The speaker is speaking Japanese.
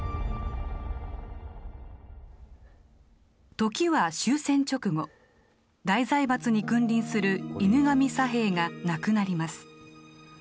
時は終戦直後大財閥に君臨する犬神佐兵衛が亡くなります。